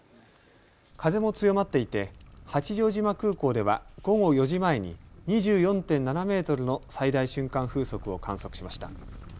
風も強まっていて八丈島空港では午後４時前に２４．７メートルの最大瞬間風速を観測しました。